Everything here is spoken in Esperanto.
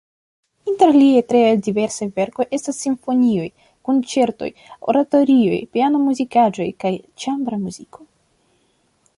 Inter liaj tre diversaj verkoj estas simfonioj, konĉertoj, oratorioj, piano-muzikaĵoj kaj ĉambra muziko.